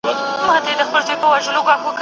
ستا د موسکا، ستا د ګلونو د ګېډیو وطن